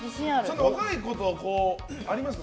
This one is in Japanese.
若い子とありますか？